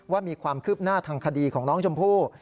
ว่ามีความคืบหน้าทางคดีของน้องชมพู่